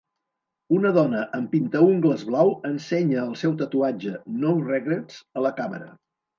Una dona amb pintaungles blau ensenya el seu tatuatge "no regrets" a la càmera.